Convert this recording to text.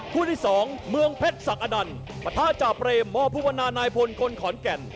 คู่ที่๒เมืองเพชรศักดันปะทะจาเรมมภูวนานายพลคนขอนแก่น